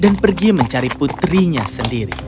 dan pergi mencari putrinya sendiri